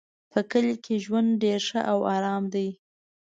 په کلي کې ژوند ډېر ښه او آرام ده